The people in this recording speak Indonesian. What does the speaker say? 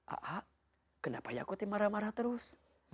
aa kenapa yakuti marah marah terus